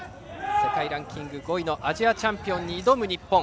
世界ランキング５位のアジアチャンピオンに挑む日本。